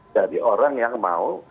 dari orang yang mau